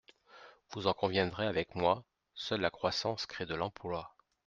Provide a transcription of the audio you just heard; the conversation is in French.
Vous en conviendrez avec moi : seule la croissance crée de l’emploi.